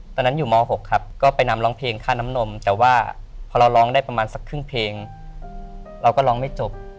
ตอนนั้นอยู่ม๖ครับก็ไปนำร้องเพลงค่าน้ำนมแต่ว่าพอเราร้องได้ประมาณสักครึ่งเพลงเราก็ร้องไม่จบ